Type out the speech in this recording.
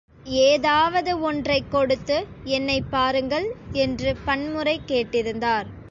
ஏதாவது ஒன்றைக் கொடுத்து, என்னைப் பாருங்கள்! என்று பன்முறை கேட்டிருந்தார்.